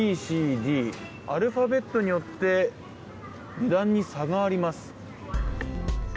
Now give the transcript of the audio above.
Ｂ、Ｃ、Ｄアルファベットによって値段に差があります。